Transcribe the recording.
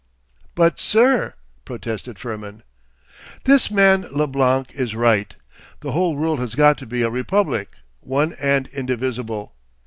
'But, sir,' protested Firmin. 'This man Leblanc is right. The whole world has got to be a Republic, one and indivisible.